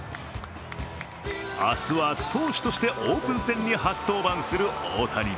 明日は投手として、オープン戦に初登板する大谷。